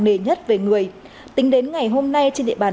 nề nhất về người tính đến ngày hôm nay